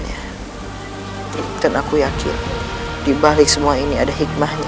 hai dan aku yakin dibalik semua ini ada hikmahnya